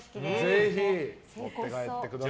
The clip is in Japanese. ぜひ持って帰ってください。